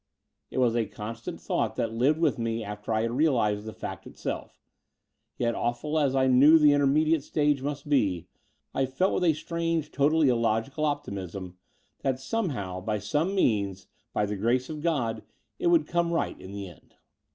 It was a constant thought that lived with me after I had realized the fact itself: yet, awful as I knew the intermediate stage must be, I felt with a strange totally illogical optimism that somehow, by some means — ^by the grace of God — it would come right in the end.